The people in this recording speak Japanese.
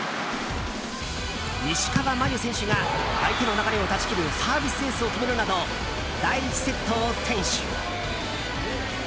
石川真佑選手が相手の流れを断ち切るサービスエースを決めるなど第１セットを先取。